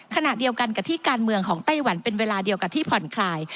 ขณะเดียวกันกับที่การเมืองของไต้หวันเป็นเวลาเดียวกับที่ผ่อนคลาย